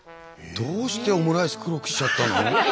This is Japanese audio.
どうしてオムライス黒くしちゃったの？